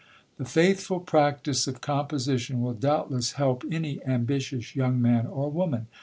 The faithful practice of composition will doubtless help any ambitious young man or woman.